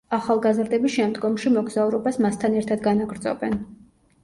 ახალგაზრდები შემდგომში მოგზაურობას მასთან ერთად განაგრძობენ.